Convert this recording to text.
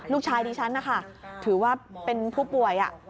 ลูกชายที่ฉันนะคะถือว่าเป็นผู้ป่วย